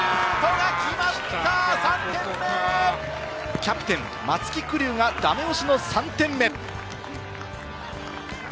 キャプテン・松木玖生がダメ押しの３点目。